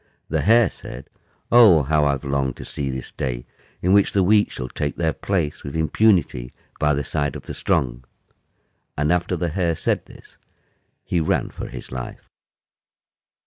The Hare said, "Oh, how I have longed to see this day, in which the weak shall take their place with impunity by the side of the strong." And after the Hare said this, he ran for his life.